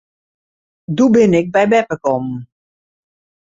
Doe bin ik by beppe kommen.